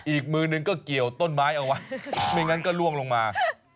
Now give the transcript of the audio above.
อีกมือหนึ่งก็เกี่ยวต้นไม้เอาไว้ไม่งั้นก็ล่วงลงมา